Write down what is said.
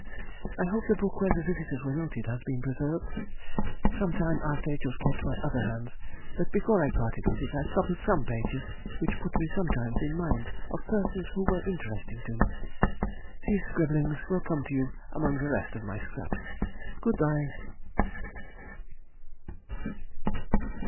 I hope the book where the visitors were noted, has been preserved? Some time after it was kept by other hands; but before I parted with it, I copied some pages which put me sometimes in mind of persons who were interesting to me. These scribblings will come to you among the rest of my scraps. Good bye!